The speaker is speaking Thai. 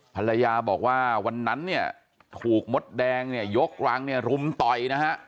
ภรรยาบอกว่าวันนั้นถูกมสแดงยกรังเร็วรุมต่อย